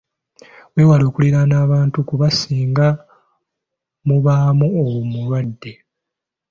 Weewale okulinaana abantu kuba singa mubaamu omulwadde.